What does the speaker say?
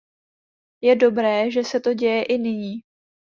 Je dobré, že se to děje i nyní.